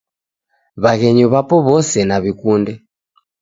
W'aghenyi w'apo w'ose naw'ikunde